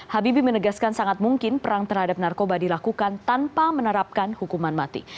habibie menegaskan sangat mungkin perang terhadap narkoba dilakukan tanpa menerapkan hukuman mati